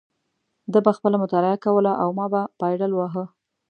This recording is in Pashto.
ده به خپله مطالعه کوله او ما به پایډل واهه.